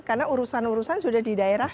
karena urusan urusan sudah didaerahkan